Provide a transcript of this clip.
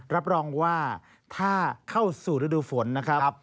รับรองว่าถ้าเข้าสู่ฤดูฝนนะครับ